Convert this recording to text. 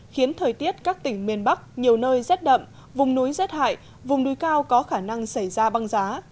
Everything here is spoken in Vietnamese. khiến thời tiết các tỉnh miền bắc nhiều nơi rét đậm vùng núi rét hại vùng núi cao có khả năng xảy ra băng giá